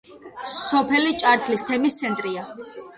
სოფელი ჭართლის თემის ცენტრია.